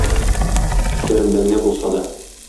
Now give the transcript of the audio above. Төшләремдә генә булса да.